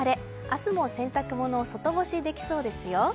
明日も洗濯物外干しできそうですよ。